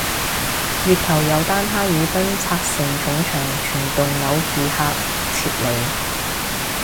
月頭有單哈爾濱拆承重牆全棟樓住客撤離